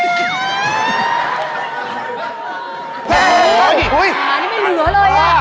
ไม่เหลือเลยอะ